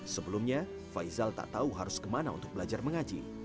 sebelumnya faisal tak tahu harus kemana untuk belajar mengaji